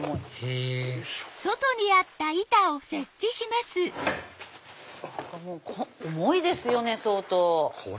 へぇ重いですよね相当。